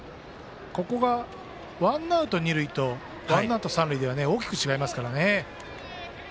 ここがワンアウト、二塁とワンアウト、三塁では大きく違いますからね。